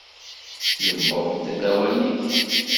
Yewweḍ-d lawan-ik!